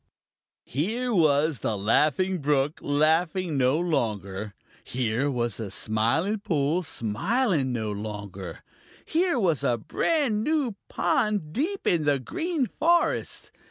Here was the Laughing Brook laughing no longer. Here was the Smiling Pool smiling no longer. Here was a brand new pond deep in the Green Forest.